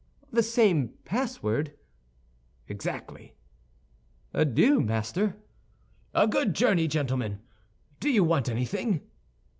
"The same password?" "Exactly." "Adieu, master!" "A good journey, gentlemen! Do you want anything?"